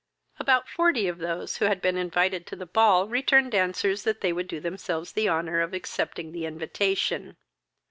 About forty of those who had been invited to the ball returned answers that they would do themselves the honour of accepting the invitation.